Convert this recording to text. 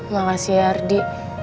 makasih ya ardi